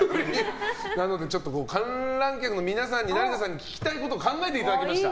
なので、観覧客の皆さんに成田さんに聞きたいことを考えていただきました。